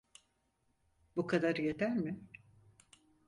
Bu kadarı yeter mi?